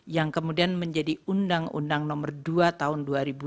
yang kemudian menjadi undang undang nomor dua tahun dua ribu dua